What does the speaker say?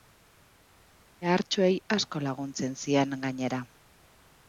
Behartsuei asko laguntzen zien, gainera.